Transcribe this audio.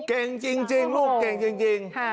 เก่งจริงลูกเก่งจริง